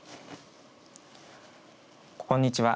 こんにちは。